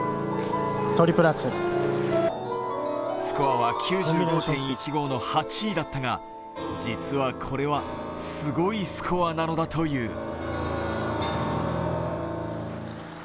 スコアは９５．１５の８位だったが実は、これはすごいスコアなのだという。